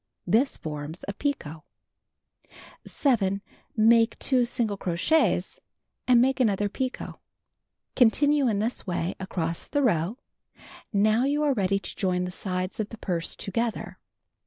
This forms a picot. 7. Make 2 single crochets, and make another picot. Continue in this way across the row. Now you are ready to join the sides of the purse together.